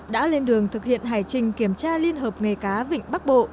đã lên đường thực hiện hải trình kiểm tra liên hợp nghề cá vịnh bắc bộ